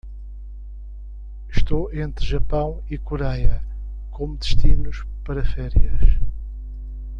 Estou entre Japão e Coreia como destinos para férias.